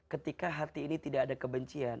ketika hati ini tidak ada kebencian